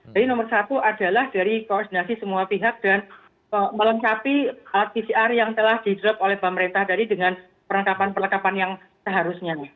jadi nomor satu adalah dari koordinasi semua pihak dan melengkapi lpcr yang telah di drop oleh pemerintah tadi dengan perlengkapan perlengkapan yang seharusnya